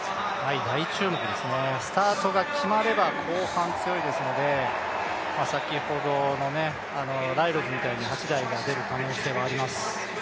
大注目ですね、スタートが決まれば後半強いですので、先ほどのライルズみたいに８台が出る可能性があります。